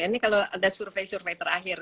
ini kalau ada survei survei terakhir